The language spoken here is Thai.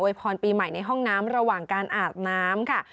พรปีใหม่ในห้องน้ำระหว่างการอาบน้ำค่ะ